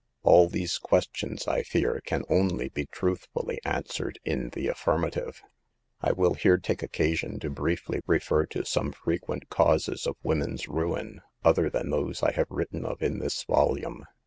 All these questions, I fear, can only be truthfully answered in the affirmative. I will here take occasion to briefly refer to some frequent causes of women's ruin, other than those I have written of in this volume.